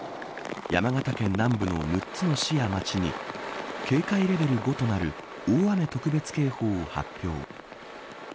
山形県南部の６つの市や町に警戒レベル５となる大雨特別警報を発表。